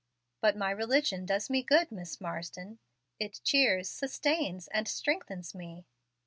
"But my religion does me good, Miss Marsden. It cheers, sustains, and strengthens me."